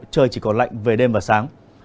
trời chỉ còn lạnh về đêm và sáng